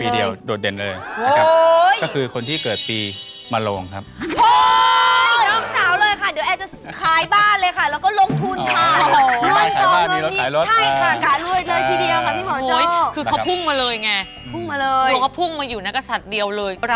โดดเด่นเลย